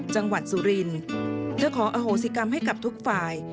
จังหวัดสุรินเธอขออโหสิกรรมให้กับทุกฝ่าย